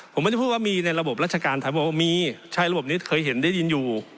ผมไม่ได้พูดว่ามีในระบบราชการไทยบอกว่ามีใช่ระบบนี้เคยเห็นได้ยินอยู่